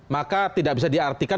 maka tidak bisa diartikan